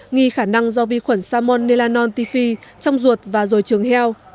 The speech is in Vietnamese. nghi khả năng do vi khuẩn salmon melanon tifi trong ruột và rồi trường heo